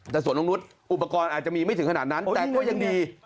แต่สวนตรงนุษย์อุปกรณ์อาจจะมีไม่ถึงขนาดนั้นแต่ก็ยังดี